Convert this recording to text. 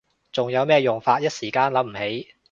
仲有咩用法？一時間諗唔起